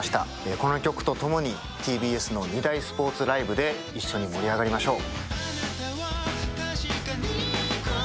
この曲とともにＴＢＳの２大スポーツライブで一緒に盛り上がりましょう。